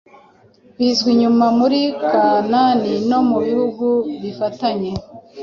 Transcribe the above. bizwi nyuma muri Kanani no mubihugu bifatanye.